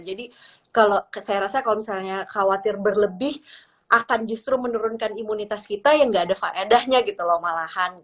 jadi kalau saya rasa kalau misalnya khawatir berlebih akan justru menurunkan imunitas kita yang nggak ada faedahnya gitu loh malahan